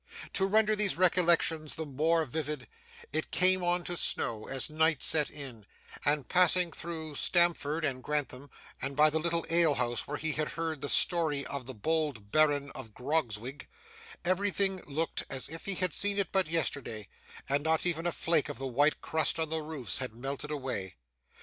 To render these recollections the more vivid, it came on to snow as night set in; and, passing through Stamford and Grantham, and by the little alehouse where he had heard the story of the bold Baron of Grogzwig, everything looked as if he had seen it but yesterday, and not even a flake of the white crust on the roofs had melted away.